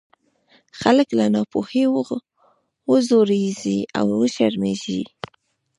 خلک له ناپوهۍ وځورېږي او وشرمېږي.